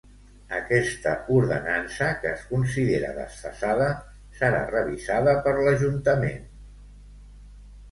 Aquesta ordenança, que es considera desfasada, serà revisada per l'Ajuntament.